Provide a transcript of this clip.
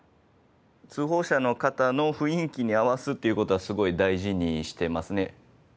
通報者の方の雰囲気に合わすっていうことはすごい大事にしてますね。